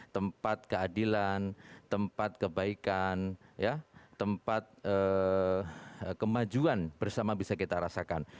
tempat keadilan tempat kebaikan tempat kemajuan bersama bisa kita rasakan